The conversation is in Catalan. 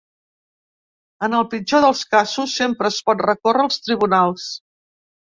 En el pitjor dels casos, sempre es pot recórrer als tribunals.